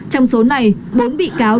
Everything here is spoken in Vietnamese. trong số này bốn bị cáo